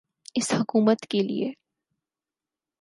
اس حکومت کیلئے۔